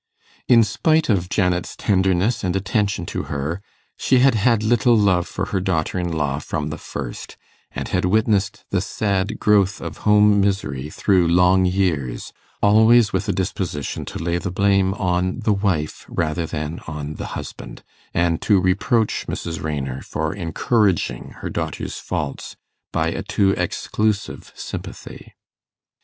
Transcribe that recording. In spite of Janet's tenderness and attention to her, she had had little love for her daughter in law from the first, and had witnessed the sad growth of home misery through long years, always with a disposition to lay the blame on the wife rather than on the husband, and to reproach Mrs. Raynor for encouraging her daughter's faults by a too exclusive sympathy.